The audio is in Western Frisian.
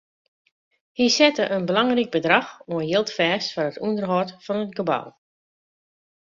Hy sette in belangryk bedrach oan jild fêst foar it ûnderhâld fan it gebou.